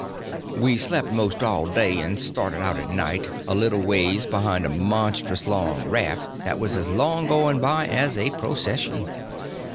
We slept most all day, and started out at night, a little ways behind a monstrous long raft that was as long going by as a procession.